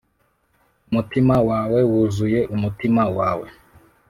umutima wawe wuzuye umutima wawe